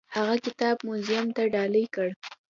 هغه کتاب موزیم ته ډالۍ کړ.